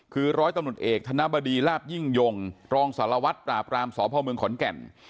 คือร้อยตำรวจเอกธนบดีลาบยิ่งยงรองสารวัตรปราบรามสพเมืองขอนแก่น